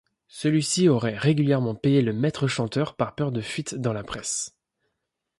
Celui-ci aurait régulièrement payé le maître chanteur par peur de fuite dans la presse.